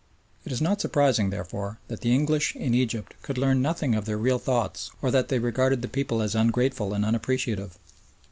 It is not surprising, therefore, that the English in Egypt could learn nothing of their real thoughts or that they regarded the people as ungrateful and unappreciative.